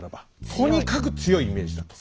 とにかく強いイメージだと戦にね。